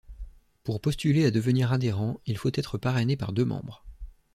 Pour postuler à devenir adhérent, il faut être parrainé par deux membres.